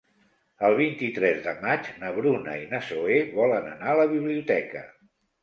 El vint-i-tres de maig na Bruna i na Zoè volen anar a la biblioteca.